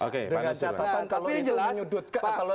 oke mana sih pak